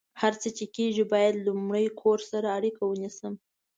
هر څه چې کیږي، باید لمړۍ کور سره اړیکه ونیسم